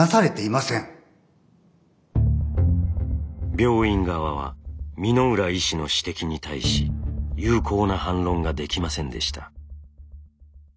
病院側は箕浦医師の指摘に対し有効な反論ができませんでした。